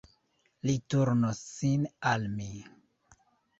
Li turnos sin al mi.